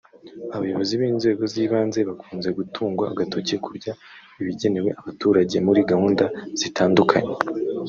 Abayobozi b’inzego z’ibanze bakunze gutungwa agatoki kurya ibigenerwa abaturage muri gahunda zitandukanye